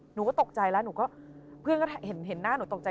หนูก็ตกใจแล้วหนูก็เพื่อนก็เห็นหน้าหนูตกใจ